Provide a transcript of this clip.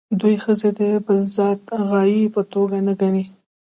دوی ښځې د بالذات غایې په توګه نه ګڼي.